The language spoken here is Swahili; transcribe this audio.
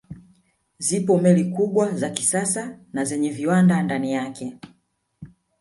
Zipo meli kubwa za kisasa na zenye viwanda ndani yake